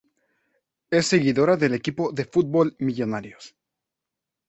Es seguidora del equipo de fútbol Millonarios.